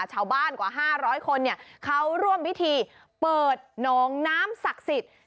ชาวบ้านกว่า๕๐๐คนเขาร่วมวิธีเปิดนองน้ำศักดิ์สิ่ง